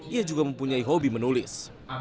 ia juga mempunyai hobi menulis